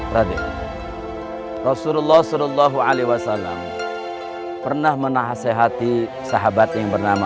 raden rasulullah suruh allah wa'alaikum salam pernah menasehati sahabat yang bernama